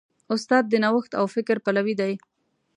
استاد د نوښت او فکر پلوی دی.